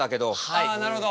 ああなるほど。